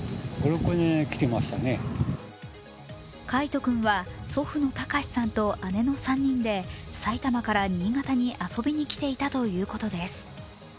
櫂斗君は祖父の隆さんと姉の３人で埼玉から新潟に遊びに来ていたということです。